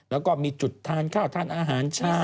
แล้วก็มีจุดทานข้าวทานอาหารเช้า